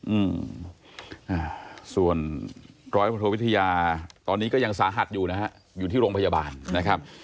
อืมอ่าส่วนร้อยพระโทวิทยาตอนนี้ก็ยังสาหัสอยู่นะฮะอยู่ที่โรงพยาบาลนะครับ